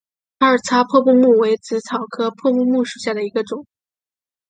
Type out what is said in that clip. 二叉破布木为紫草科破布木属下的一个种。